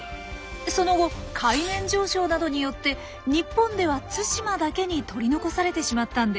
その後海面上昇などによって日本では対馬だけに取り残されてしまったんです。